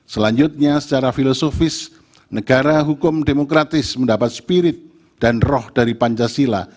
selanjutnya secara filosofis negara hukum demokratis mendapat spirit dan roh dari pancasila